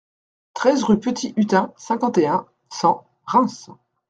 treize rue Petit Hutin, cinquante et un, cent, Reims